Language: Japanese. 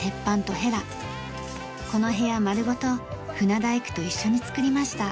この部屋丸ごと船大工と一緒につくりました。